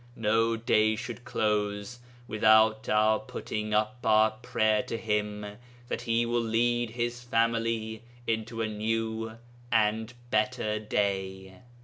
No day should close without our putting up our prayer to Him that He will lead His family into a new and better day.